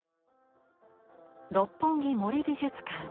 六本木森美術館。